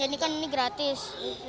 jadi kan ini gratis